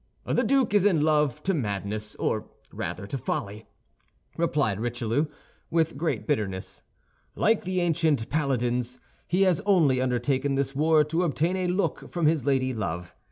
"The duke is in love to madness, or rather to folly," replied Richelieu, with great bitterness. "Like the ancient paladins, he has only undertaken this war to obtain a look from his lady love.